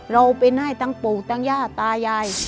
เราเป็นให้ทั้งปู่ทั้งย่าตายาย